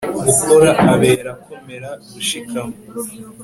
Ukora abera akomera gushikama